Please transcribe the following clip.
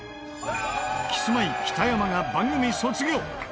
キスマイ北山が番組卒業。